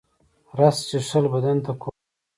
رس څښل بدن ته قوت ورکوي